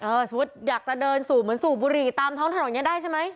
สมมุติอยากจะเดินสูบเหมือนสูบบุหรี่ตามท้องถนนอย่างนี้ได้ใช่ไหม